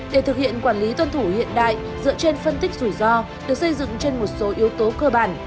để thực hiện quản lý tuân thủ hiện đại dựa trên phân tích rủi ro được xây dựng trên một số yếu tố cơ bản